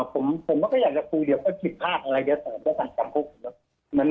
ผมก็อยากจะคุยเดี๋ยวว่าผิดพลาดอะไรเดี๋ยวสร้างการควบคุณ